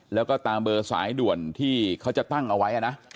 แล้วก็ตามเบอร์สายด่วนที่เขาจะตั้งเอาไว้นะ